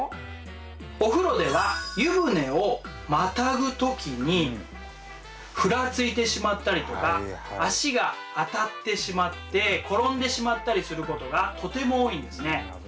お風呂では湯船をまたぐ時にふらついてしまったりとか足が当たってしまって転んでしまったりすることがとても多いんですね。